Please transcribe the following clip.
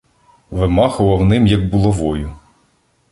Вимахував ним, як булавою.